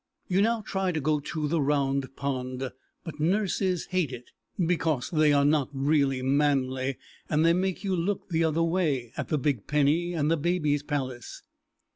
You now try to go to the Round Pond, but nurses hate it, because they are not really manly, and they make you look the other way, at the Big Penny and the Baby's Palace.